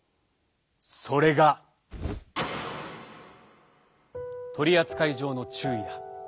それが取り扱い上の注意だ。